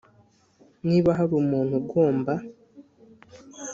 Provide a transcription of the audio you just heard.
Niba hari umuntu ugomba